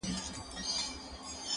نه يې لاس و نه يې سترگه د زوى مړي.!